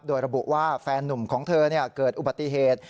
โดยระบุว่าแฟนนุ่มของเธอเกิดอุบัติเหตุ